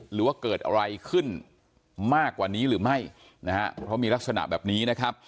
หรือว่าเกิดอะไรขึ้นมากกว่านี้หรือไม่นะฮะเพราะมีลักษณะแบบนี้นะครับ